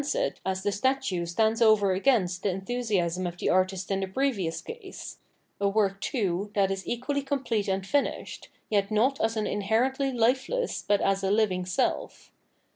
Euripides, Bacchae, 735 The Liming WorTc of Art it as the statue stands over against the enthusiasm of the artist in the previous case, — a work too that is equally complete and finished, yet not as an inherently lifeless but as a hving self.